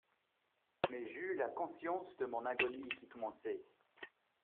Mais j’eus la conscience de mon agonie qui commençait.